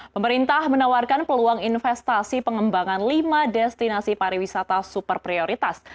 pemerintah menawarkan peluang investasi pengembangan lima destinasi pariwisata super prioritas